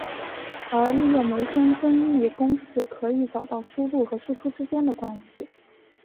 而利用梅森增益公式可以找到输入和输出之间的关系。